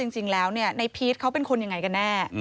จริงแล้วในพีชเขาเป็นคนยังไงกันแน่